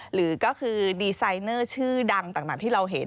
หรือก็คือดีไซเนอร์ชื่อดังต่างที่เราเห็น